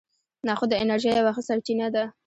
نخود د انرژۍ یوه ښه سرچینه ده.